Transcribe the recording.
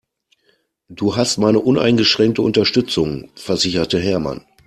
Du hast meine uneingeschränkte Unterstützung, versicherte Hermann.